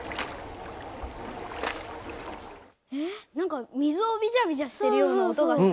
なんか水をビチャビチャしてるような音がした。